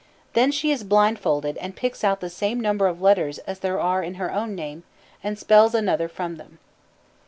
Then she is blindfolded and picks out the same number of letters as there are in her own name, and spells another from them.